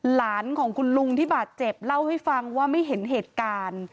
หลานของคุณลุงที่บาดเจ็บเล่าให้ฟังว่าไม่เห็นเหตุการณ์